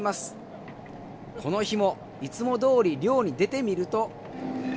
この日もいつもどおり漁に出てみると。